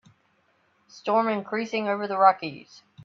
Storm increasing over the Rockies.